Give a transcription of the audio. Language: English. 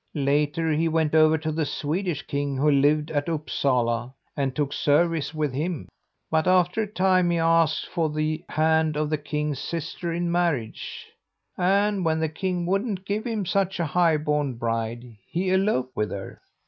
"Later he went over to the Swedish king, who lived at Upsala, and took service with him. But, after a time, he asked for the hand of the king's sister in marriage, and when the king wouldn't give him such a high born bride, he eloped with her.